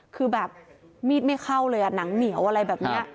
คือแบบมีดไม่เข้าเลยอ่ะหนังเหนียวอะไรแบบนี้